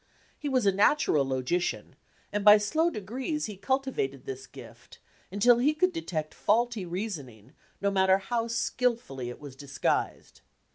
He was a natural logician, and by slow degrees he cultivated this gift until he could detect faulty reasoning, no matter how skilfully it was disguised.